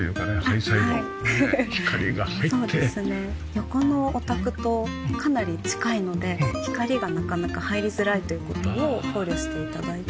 横のお宅とかなり近いので光がなかなか入りづらいという事を考慮して頂いて。